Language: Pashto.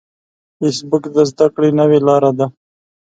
فېسبوک د زده کړې نوې لاره ده